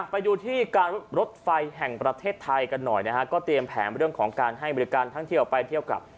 ไปดูที่การรถไฟแห่งประเทศไทยกันหน่อยนะฮะก็เตรียมแผนเรื่องของการให้บริการท่องเที่ยวไปเที่ยวกับ